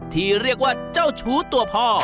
ที่เรียกว่าเจ้าชู้ตัวพ่อ